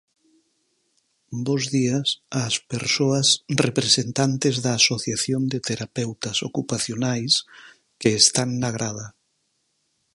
Bos día ás persoas representantes da Asociación de Terapeutas Ocupacionais que están na grada.